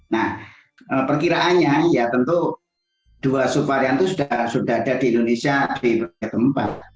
nah perkiraannya ya tentu dua subvarian itu sudah ada di indonesia b a dua puluh empat